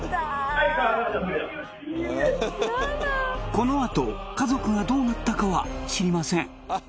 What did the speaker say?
このあと家族がどうなったかは知りません